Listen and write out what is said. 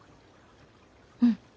うん。